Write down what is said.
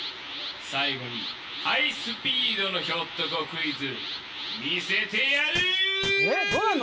最後にハイスピードのひょっとこクイズ見せてやる。